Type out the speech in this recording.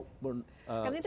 kan itu branding